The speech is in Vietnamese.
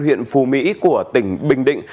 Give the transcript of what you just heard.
huyện phù mỹ của tỉnh bình định